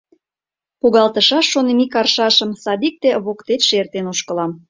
Погалтышаш, шонем, ик аршашым, садикте воктечше эртен ошкылам.